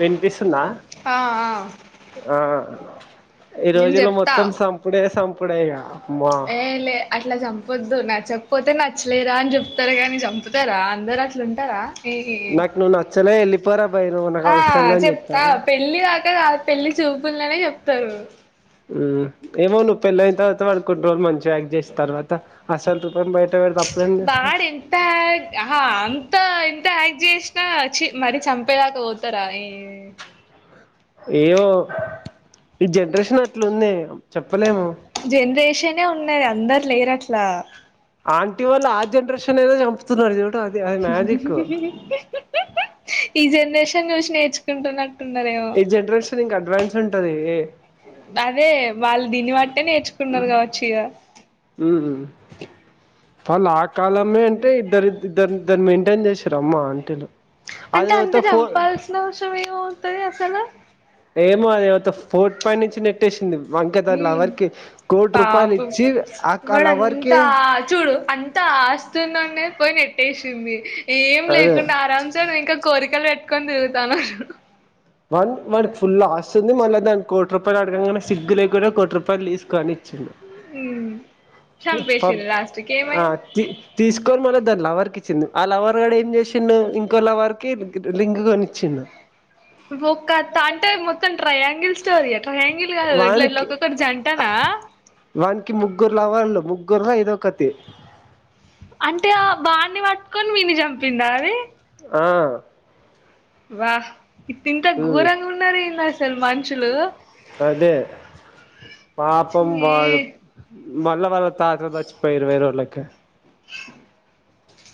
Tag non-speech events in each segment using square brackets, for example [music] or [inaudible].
వినిపిస్తుందా? ఆ ఆ ఆ ఈ నేను రోజులో చెప్తా మొత్తం సంపుడే సంపుడే ఇగా. ఏయ్ లే. అట్లా చంపొద్దు నచ్చకపోతే నచ్చలేదా అని చెప్తరు కానీ చంపుతరా అందరు అట్లా ఉంటరా. దీ నాకు నువ్వు నచ్చలే ఎళ్ళిపోరా బయ్ నువ్వు నాకు అవసరంలే అని చెప్తా చెప్తరా. పెళ్లి దాకా కాదు పెళ్లి చూపుల్లనే చెప్తరు. ఏమో నువ్వు పెళ్ళయిన తర్వాత వాడు కొన్ని రోళు మంచిగా యాక్ట్ చేసి తర్వాత అసలు రూపం బయ వాడేం ఆహా అంత ఎంత యాక్ట్ చేశినా చి మరీ చంపే దాకా పోతరా ఏ ఏమో ఈ జనరేషన్ అట్లుంది చెప్పలేము. జనరేషనే ఉన్నది అందరు లేరు అట్లా. ఆంటీ వాళ్ళు ఆ జనరేషన్ అయినా చంపుతున్నరు చూడు అది అది మ్యాజిక్. ఈ జెనరేషన్ చూసి నేర్చు కుంటున్నట్టు ఉన్నరు. ఈ జనరేషన్ ఇంకా అడ్వాన్స్ ఉంటదే. అదే వాళ్ళు దీన్ని బట్టే నేర్చుకున్నరు కావచ్చిగా. ఉ వాళ్ళు ఆ కాలమే అంటే ఇద్దరు ఇద్ ఇద్ద ఇద్దరు మెయింటేన్ చేసిర్రు అమ్మా ఆంటీలు. అంటే అంత అదేవతో ఫోర్ చంపాల్సిన అవసరం ఏమవుతది అసలు. ఏమో అదేవతో ఫోర్ట్ పై నుంచి నెట్ ట్టేశింది అంటే దాని ఉమ్ లవర్కి కోటి రూపాయలు పాపం ఇచ్చి అక లవరికే ంత ఆస్తి ఉండగనే పోయి నెట్టేశింది ఏం అదే లేకుండా ఆరాంసే నువ్వు ఇంక కోరికలు పెట్టుకొని తిరుగుతాన్నవు. వాన్ వాడు ఫుల్ ఆస్తి ఉంది, మళ్ళ దానికి కోటి రూపాయలు అడగంగనే సిగ్గు లేకుండా కోటి రూపాయలు తీసుకో అని ఇచ్చిండు. చంపేశిర్రు లాస్ట్కి ఆ ఏమైంది. తీ తీసుకొని మళ్ళీ దాని లవర్కి ఇచ్చింది ఆ లవర్ గాడు ఏం చేసిండు ఇంకో లవర్ కి గి రింగు కొనిచ్చిండు ఒక్క తా అంటే మొత్తం ట్రయాం గిల్ స్టోరీయా ట్రయాంగిల్ కదా ఇట్లా ఒక్కొక్క జంటనా వాన్కి ముగ్గురు లవర్ లు ముగ్గురులో ఇదొక్కతి అంటే ఆ వాన్ని పట్కొని వీన్ని చంపిందా అది? ఆ వాహ్ ఇ ఇంత ఉమ్ ఘోరంగా ఉన్నారేంది అసల్ మన్షులు అదే ఛీ పాపంవాళ్ళు మల్ల వా కాక జచ్చిపోయిర్రు ఇరవై రోజులకే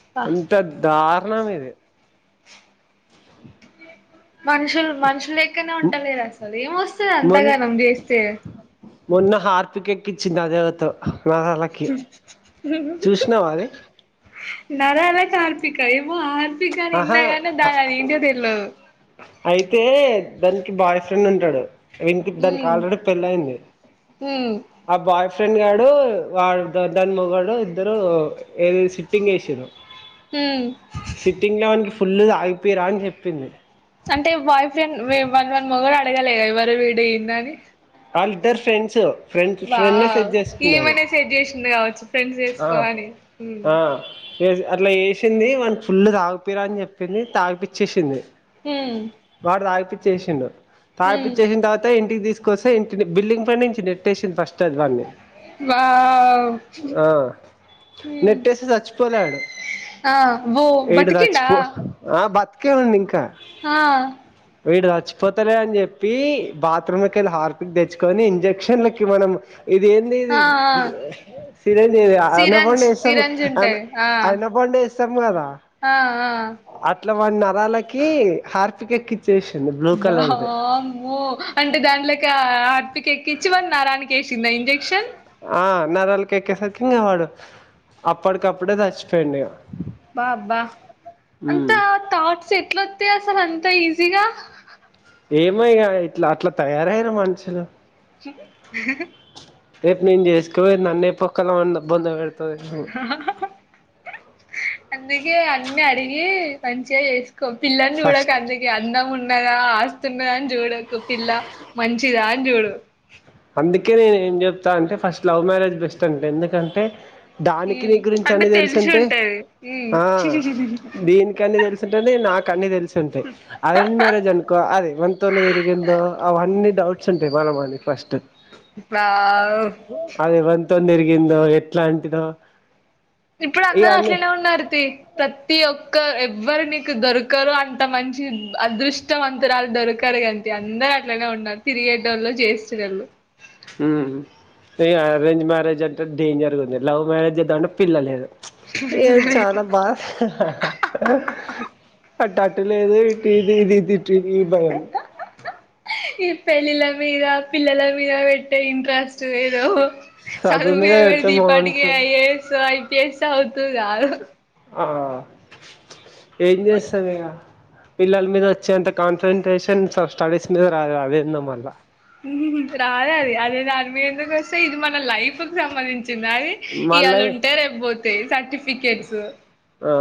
అబ్బా ఎంత ధారుణం ఇది మనుషుల్ మనుషులెక్కనే ఉంటలేదు అసలు ఏమొస్తది మొన్ అంతగానం చేస్తే మొన్న హార్పిక్ ఎక్కించింది అది ఎవత్తో నరాళ్ళకి చూసినావా అది నరాలకి హార్పిక ఏమో హార్పికని ఆహా విన్నా కానీ దాని అదేంటో తెల్వదు అయితే దానికి బాయ్ ఫ్రెండ్ ఉంటాడు ఇంటి దానికి ఉమ్ ఆల్రెడీ పెళ్ళి అయింది ఉమ్ ఆ బాయ్ ఫ్రెండ్ గాడు, వా దాని మగడు ఇద్దరు ఏది సిట్టింగ్ వేసిర్రు హుమ్ సిట్టింగ్ లో వాన్కి ఫుల్ తాగ్పీరా అని చెప్పింది అంటే బాయ్ ఫ్రెండ్ వన్ వన్ మొగడు అడగలేదా ఎవరువీడు ఎందఅని అల్లిద్దర్ ఫ్రెండ్స్ ఫ్రెండ్ ఫ్రెండ్నే సెట్ చేస్కున్నది సెట్జేసింద్ కావచ్చు ఫ్రెండ్స్ చేసుకో అని ఆ అట్లా చేసింది వాన్కి ఫుల్ తాగిపిరా అని చెప్పింది తాగిపిచ్చేసింది హ్మ్ వాడు తాగిపిచ్చేసిండు తాగిపిచ్చేసిన తర్వాత ఇంటికి తీస్ కోసం ఇంటి బిల్డింగ్ పై నుంచి నెట్టేసింది ఫస్ట్ అది వాన్ని వావ్ ఆ ఉమ్ నెటిస్తే చచ్చిపోలే ఆడు ఆ ఓ ఈడు బతికిండా సచ్చిపో ఆ బత్కే ఉంది ఇంకా హా వీడు సచ్చిపోతలే అని చెప్పి బాత్రూం కెళ్ళి హార్పిక్ తెచ్చుకొని ఇంజక్షన్లకి మనం ఇదేంది ఇది ఆ ఆ సిరంజి లేం సిరంజ్ అనపండు సిరంజ్ ఉంటది. ఆ అనపండే ఏస్తాం కదా? ఆ ఆ అట్ల వాడ్నరాలకి హార్పిక్ ఎక్కి చేషింది వామ్మో అంటే దాంట్లోకి హార్పిక్ ఎక్కించి వాడి నరానికి వేసిందా ఇంజక్షన్ ఆ నరాలకే ఎక్కేసరికి ఇంకా వాడు అప్పటికప్పుడే సచ్చిపోయిండు ఇగ అబ్బా అబ్బా అంత ఉమ్ థాట్స్ ఎట్లొత్తాయ్ అసలు అంత ఈజీగా ఏమో ఇగ అట్లా తయారయ్యా మనుషులు రేపు నేను చేసుకోపోయేది నన్నే పొక్కల పండ్ బొంది పెడతది అని అందుకే అన్ని అడిగి మంచిగా చేస్ పిల్లని ఫస్ట్ చూడకందుకే అందం ఉన్నదా ఆస్తున్నదా అని చూడక్ పిల్ల మంచిదా అని చూడు అందుకే నేను ఏం చెప్తా అంటే ఫస్ట్ లవ్ మ్యారేజ్ బెస్ట్ అంట ఎందుకంటే దానికి నీ హ్మ్ గురించి అంటే అన్ని తెలుసు తెలిసి ఉంటే ఉంటది. హ్మ్ ఆ దీనికి అన్ని తెలుసు టుంది నాకు అన్నీ తెలిసి ఉంటాయి అరేంజ్ మ్యారేజ్ అనుకో అది ఎవనితోని తిరిగిందో అవన్నీ డౌట్స్ ఉంటాయి మల్ల మనకి ఫస్ట్ ఆ అది ఎవనితోన్ తిరిగిందో ఎట్లాంటిదో ఇప్పుడు ఇగ అందరూ అన్ని అట్లేనే ఉన్నారు తియ్ ప్రతి ఒక్క ఎవ్వరు నీకు దొరకరో అంత మంచి అదృష్టవంతురాలు దొరకరు కానీ ఇగ అందరు అట్లనే ఉన్నారు తిరిగేటోళ్లు చేస్తున్నారు ఊ ఇగ అరేంజ్ మ్యారేజ్ అంటే డేంజర్గా ఉంది లవ్ మ్యారేజ్ చేద్దామంటే పిల్లలేదు ఏ చాల బా అటు అటు లేదు ఇటు ఇది ఇది ఈ భయం ఈ పెళ్ళిళ్ళ మీద పిల్లల మీద పెట్టే ఇంట్రెస్ట్ ఏదో చదువు మీద పెడితె ఈపాటికి ఐఏఎస్ ఐపీఎస్ అవుదువు కాదు ఆ ఏం చేస్తామిగ పిల్లల మీద వచ్చేంత కాన్సన్ట్రేషన్ స స్టడీస్ మీద రాదు అదెందో మల్ల రాద అది అదే దాని మీందుకు వస్తే ఇది మన లైఫ్కి సంబంధించింది అది ఇవాళ మళ్ళా ఉంటే రెపోతాయి సర్టిఫికెట్స్ ఆ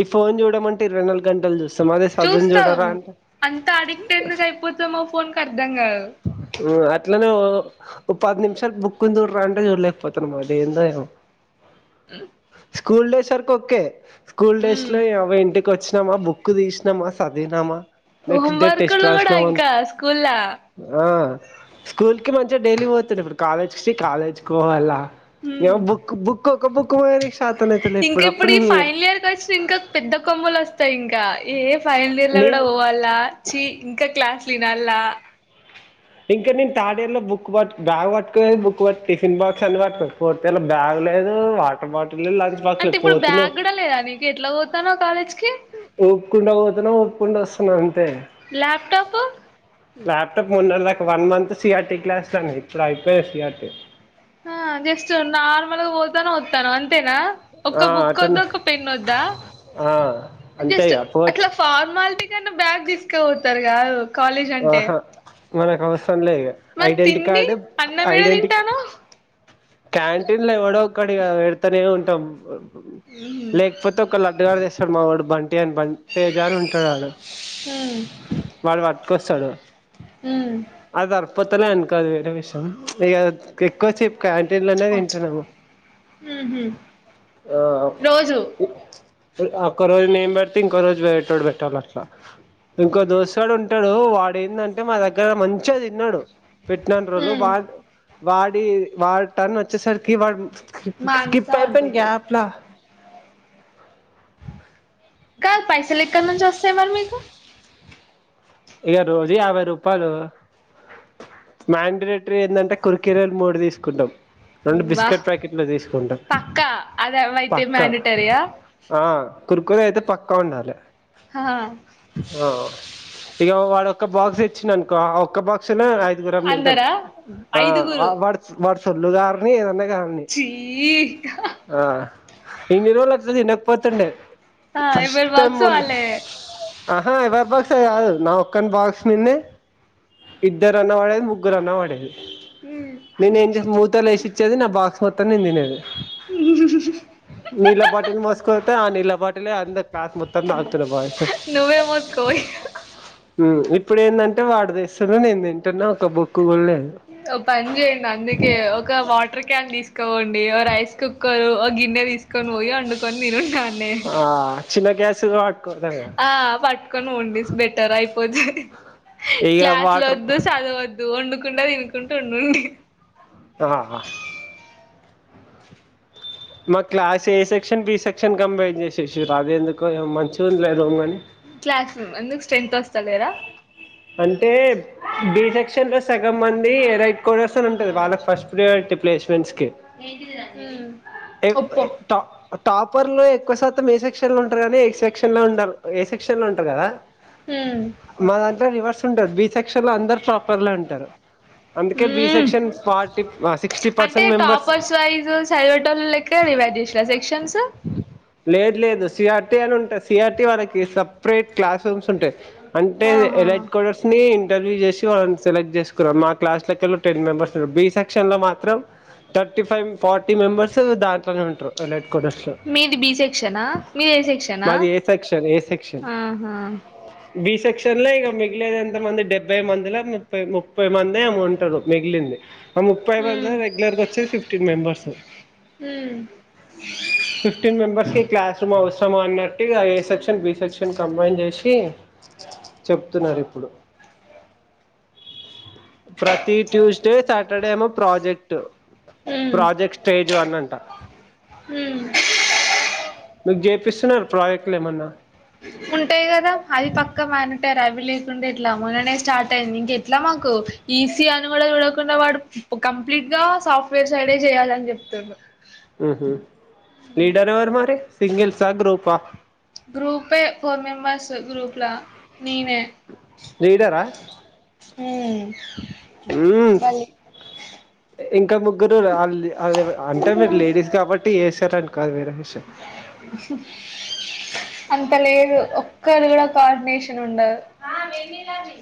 ఈ ఫోన్ చూడ అంటే ఇరవై నాలుగు గంటలు చూస్ చూస్తాం అంత అడిక్ట్ ఎందుకు అయిపోతామో ఫోన్ కు అర్ధం కాదు ఉ అట్లనే వొదం ఒక పది నిమిషాలు బుక్కుని చూడరా అంటే చూడలేకపోతన మల్ల ఏందో ఏమో [unintelligible] స్కూల్ డేస్ వరకు ఒకే స్కూల్ డేస్ ఉమ్ లో ఇ అవ్వ ఇంటికి వచ్చినామా బుక్ బుక్కు తీసినమా చదివినామా హోం నెక్స్ట్ డే టెస్ట్ వర్కులు కూడా రాసినామా ఇంకా స్కూల్లా ఆ స్కూల్ కి మంచిగా డైలీ పోతుండె ఇప్పుడు కాలేజ్ కి కాలేజ్కి పోవాలా నీ అవ్వ బుక్కు బుక్కు ఒక బుక్ మోయనీకి శాతనైతలే ఇంకా ఇప్పుడు ఈ ఫైనల్ ఇయర్ వచ్చినంక పెద్ద కొమ్మలొస్తయి ఇంకా ఏ ఫైనల్ ఇయర్ లో కూడా నేను పోవాలా చీ ఇంకా క్లాసులు ఇనాల్ల ఇంకా నేను థాడియర్ లో బుక్ పట్టుగా బ్యాగ్ పట్టుకో బక్ బట్టి టిఫిన్ బాక్స్ అనన్ని పట్టుక పోన్ ఈయల బ్యాగ్ లేదు వాటర్ బాటిల్ లేదు లంచ్ బాక్స్ అంటే లేదు ఇప్పుడు పోతున్నావు బ్యాగ్ కూడా లేదా నీకి ఎట్లా పోతానవ్ కాలేజ్కి ఊపుకుండా పోతున్నా ఊపు కుంట వస్తున్నా అంతే లాప్టాపూ ల్యాప్టాప్ మొన్నదాకా వన్ మంత్ సిఆర్టీ క్లాస్లు అని ఇప్పుడ అయిపోయాయి సిఆర్టీ ఆ జస్ట్ నార్మల్గా పోతనవ్ వత్తనవు అంతేనా ఆ ఒక్క బుక్కోద్దు అటెండ్ ఒక పెన్ వద్దా ఆ అంతే జస్ట్ ఇగ పోత్ అట్లా ఫార్మాలిటీ కన్నా బ్యాగ్ తీసుక పోతరుగాదు కాలేజ్ అంటే ఆహా మనకు అవసరం లేదు ఇక మరి ఐడెంటి తిండి కార్డు అన్నం ఏడ ఐడెంటి తింటానవ్ క్యాంటీన్ లో ఎవడో ఒక్కడి ఈగ పెడతనే ఉంటాం లేక్ కాపోతే ఒక్క లడ్డుగాడు తెస్తడు మావాడు బంటి అని బ తేజ అని ఉంటడాడ హ్మ్ వాడు వట్ కొస్తడు హ్మ్ అది సర్పోతలే అనుకో అది వేరే విషయం ఇగ ఎక్కువసేపు క్యాంటీన్లోనే తింటున్నము రోజు ఒక్క రోజు నేను పడితే ఇంకో రోజు వేరేటోడు పెట్టాలట్ల ఇంకో దోస్తుగాడు ఉం టడు వాడేందంటే మా దగ్గర మంచిగ తిన్నడు పెట్టినన్నీ రోజులు హ్మ్ వా వాడి వాడి టర్న్ వచ్చేసరికి వాడు మానస స్కిప్ వన్ టూ అయిపోయిండు త్రీ గ్యాప్ లా కాదు పైసలెక్కడ్నుంచి వస్తయి మరి మీకు ఇక రోజు యాభై రూపాలు మ్యాండరేటరీ ఏందంటే కురికెరలు మూడు తీసుకుంటాం రెండు వా బిస్కెట్ ప్యాకెట్లు తీసుకుంటాం పక్కా అది అవైతే పక్కా మ్యాండటరియా ఆ కురుకురే అయితే పక్కా ఉండాలె హాహా [inaudible] ఇగ వాడొక్క బాక్స్ ఇచ్చిండనుకో ఆ ఒక్క బాక్స్ లో నలుగురం తింటాం అందరా ఆ ఐదుగురు వాడు వాడు సొల్లు కారని ఏదన్న గాని చీ ఆ ఇన్ని రోజులట్ల తినకపోతుండే ఆ ఫస్ట్ ఎవరి టైమ్ బాక్స్ మొన్న వాళ్ళే అహా ఎవరి బాక్స్ అని కాదు నా ఒక్కని బాక్స్ మీద్నే ఇద్దరన్న పడేది ముగ్గురన్న పడేది హ్మ్ నేను ఏం [inaudible] [inaudible] ఏసిచ్చేది నా బాక్స్ మొత్తం నేను తినేది ఉహు నీళ్ల బాటిల్ మోస్కపోతే ఆ నీళ్ల బా లే అందరూ క్లాస్ మొత్త తాగుతుండే బాయ్స్ నువ్వే మోసుకో ఇగ ఇప్పుడు ఏందంటే వాడు తెస్తుండు నేను తింటున్న ఒక బుక్ కూడ లేదు ఒక పని చేయండి అందుకే ఒక వాటర్ క్యాన్ తీసుకపోండి ఓ రైస్ కుక్కర్ ఓ గిన్నె తీసు కొని పోయి వండుకొని తినుండి ఆడ్నే ఆ చిన్న గ్యాసు కాబ ఆ పట్టుకొని పోండి బెటర్ అయిపోతది ఇక వాటర్ క్లాస్లొద్దు చదవద్దు వండుకుంట తినుకుంట ఉండండి ఆ మా class A section B section combined చేషేషిర్రు అది ఎందుకో ఏమో మంచిగుందిలే రూమ్ కానీ క్లాస్ రూమ్ ఎందుకు స్ట్రెంత్ ఒస్తలేరా అంటే బి సెక్షన్ లో సగం మంది రైట్ కోడర్స్ అని ఉంటది వాళ్ళకి ఫస్ట్ ప్రియారిటి ప్లేస్మెంట్స్కి ఏంటిది రా ఎప్పుడే ట టాపర్ లో ఎక్కువ శాతం ఏ సెక్షన్ లో ఉంటరు కనీ ఏ సెక్షన్ లో ఉండాల ఏ సెక్షన్ లో ఉంటరు కదా ఉం మా దాంట్లో రివర్స్ ఉంటది బి సెక్షన్ లో అందరు టాపర్లే ఉంటరు అందుకే బి హ్మ్ సెక్షన్ ఫార్టీ సిక్స్టీ అంటే పర్సెంట్ మెంబర్స్ ఇక్కడే డివైడ్ చేసిర్రా సెక్షన్స్ లేదు లేదు సిఆర్టీ అని ఉంటది సిఆర్టీ వాళ్లకి సప్రేట్ క్లాస్ రూమ్స్ ఉంటయి అంటే ఆహా స్డర్స్ ని ఇంటర్వ్యూ చేసి వాళ్ళనీ సెలెక్ట్ చేసుకున్నం మా క్లాస్ లాకెళ్ళి టెన్ మెంబర్స్ బి సెక్షన్ లో మాత్రం థర్టీ ఫైవ్ ఫార్టీ మెంబర్స్ దాంట్లోనే ఉంటరు అల్లాట్ క్వార్టర్స్ లో మీది బి సెక్షనా మీది ఏ సెక్షనా మాది ఏ సెక్షన్ ఏ సెక్షన్ ఆహా బీ సెక్షన్ లా ఇగ మిగిలేది ఎంత మంది డెబ్బై మందిలో ముప్పై ముప్పై మంది ఏమో ఉంటారు మిగిలింది ఆ ముప్పై మందిలా హ్మ్ రెగ్యులర్గా వచ్చేది ఫిఫ్టీన్ మెంబర్స్ హ్మ్ ఫిఫ్టీన్ మెంబెర్స్ కి క్లాస్ రూమ్ అవసరమా అన్నట్టుగా A section B section combine చేసి తున్నారు ఇప్పుడు ప్రతి ట్యూస్డే సాటర్డేమో ప్రాజెక్ట్ హ్మ్ ప్రాజెక్ట్ స్టేజ్ వన్ అంట హ్మ్ మీకు చేపిస్తున్నారు ప్రాజెక్టులు ఏమన్నా ఉంటాయి కదా అది పక్క మానిటరీ అవి లేక్ ఉండే ఎట్లా మొన్ననే స్టార్ట్ అయింది ఇంకా ఏట్లా మాకు ఈసీ అని కూడా చూడకుండా వాడు ఓ కంప్లీట్ గా సాఫ్ట్వేర్ సైడే చేయాలని చెప్తుండు ఉహు లీడర్ ఎవరు మరి సింగిల్సా గ్రూపా గ్రూపే ఫోర్ మెంబర్స్ గ్రూప్ లా నీనే లీడర్ హ్మ్ ఊ బలే ఇంకా ము గ్గురు వాళ్ ఆల్ అంటే మీరు లేడీస్ కాబట్టి ఏసారని కాదు వేరే విషయం అంత లేదు ఒక్కరిది కూడా కోఆర్డినేషన్ ఉండదు ఆ వేడినీళ్లు అవి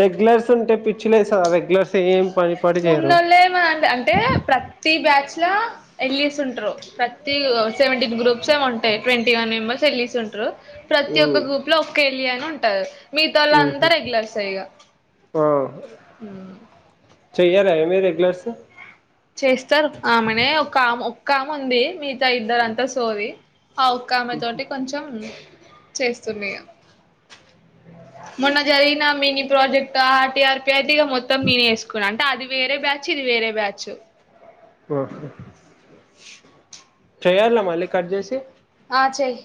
రెగ్యులర్స్ ఉంటే పిచ్చి లేస్తాద రెగ్యులర్స్ ఏం పని పాటు చేయరు ఉ అన్ అంటే ప్రతి బ్యాచ్ లో ఎల్లిస్ ఉంట్రూ ప్రతి సెవెంటీన్ గ్రూప్స్ ఏమో ఉంటాయి ట్వంటీ వన్ మెంబెర్స్ ఎళ్లిస్ ఉంటరు ప్రతి మ్మ్. ఒక్క గ్రూప్ లో ఒక్క ఎళ్లి అని ఉంటది మిగతా వాళ్లు మ్హూ. అంతా రెగ్యులర్సే ఈగ ఆ చెయ్యారా ఏ మీరు రెగ్యులర్స్ చేస్తారు ఆమెనే ఒక్క ఆమ ఒక్క ఆమె ఉంది మిగతా ఇద్దరు అంతా సోదీ ఓక్క ఆమె తోటి కొంచెం చేస్తున్న ఇగ మొన్న జరిగిన మినీ ప్రాజెక్ట్ ఆర్ టీఆర్పిఐ ఈగా మొత్తం నినే చేసుకున్న అది వేరే బ్యాచ్ ఇది వేరే బ్యాచ్ ఉ చేయాల్లా మళ్ళీ కట్ చేసి ఆ చెయి